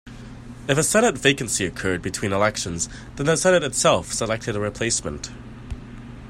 If a Senate vacancy occurred between elections, then the Senate itself selected a replacement.